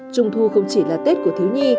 trung thu không chỉ là tết của thiếu nhi